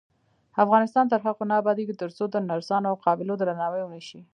افغانستان تر هغو نه ابادیږي، ترڅو د نرسانو او قابلو درناوی ونشي.